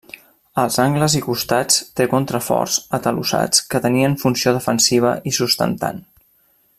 Als angles i costats té contraforts atalussats que tenien funció defensiva i sustentant.